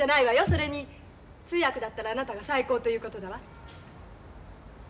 それに通訳だったらあなたが最高ということだわ。